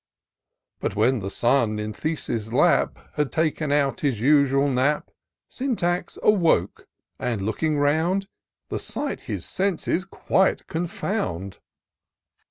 But when the Sun in Thetis' lap Had taken out his usual nap, Syntax awoke, and looking round. The sight his senses quite confound.